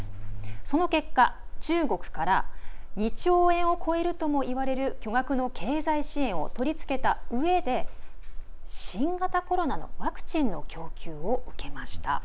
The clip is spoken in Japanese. その結果、中国から２兆円を超えるともいわれる巨額の経済支援を取り付けたうえで新型コロナのワクチンの供給を受けました。